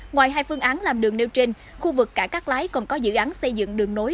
ngoài hai phương án làm đường nêu trên khu vực cảng cát lái còn có dự án xây dựng đường nối